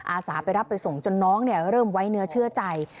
อาสาไปรับไปส่งจนน้องเริ่มไว้เนื้อเชื่อใจ